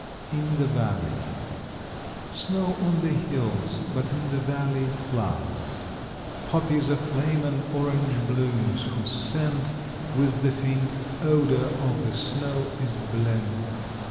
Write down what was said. In the Valley. Snow on the hills, but in the valley, flowers, Poppies aflame and orange blooms, whose scent With the faint odor of the snow is blent.